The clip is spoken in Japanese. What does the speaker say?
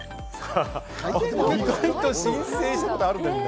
意外と申請したことあるんだ。